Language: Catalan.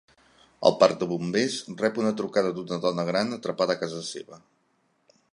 El parc de bombers rep una trucada d'una dona gran, atrapada a casa seva.